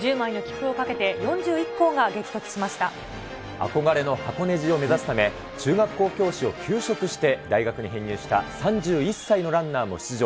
憧れの箱根路を目指すため、中学校教師を休職して大学に編入した３１歳のランナーも出場。